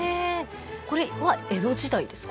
これは江戸時代ですか？